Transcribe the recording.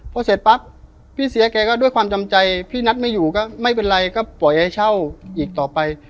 พอเสร็จปั๊บพี่เสียแกก็ด้วยความจำใจพี่นัทไม่อยู่ก็ไม่เป็นไรก็ปล่อยให้เช่าอีกต่อไป